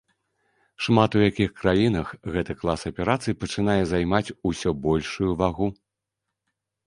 Шмат у якіх краінах гэты клас аперацый пачынае займаць усё большую вагу.